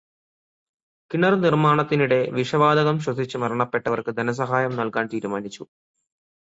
കിണര് നിര്മ്മാണത്തിനിടെ വിഷവാതകം ശ്വസിച്ച് മരണപ്പെട്ടവർക്ക് ധനസഹായം നൽകാൻ തീരുമാനിച്ചു.